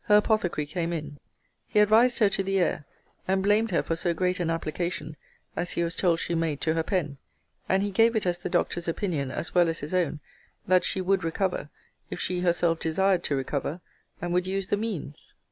Her apothecary came in. He advised her to the air, and blamed her for so great an application, as he was told she made to her pen; and he gave it as the doctor's opinion, as well as his own, that she would recover, if she herself desired to recover, and would use the means.